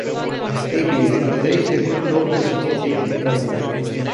Ei bine, de aici decurg două consecințe inevitabile.